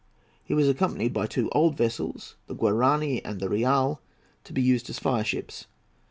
He was accompanied by two old vessels, the Guarani and the Real, to be used as fireships.